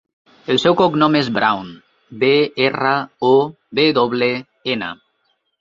El seu cognom és Brown: be, erra, o, ve doble, ena.